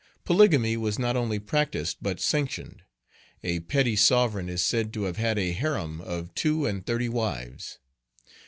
Polygamy was not only practised but sanctioned. A petty sovereign is said to have had a harem of two and thirty wives.